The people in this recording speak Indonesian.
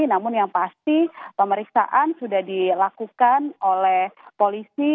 namun yang pasti pemeriksaan sudah dilakukan oleh polisi